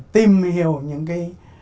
tìm hiểu những cái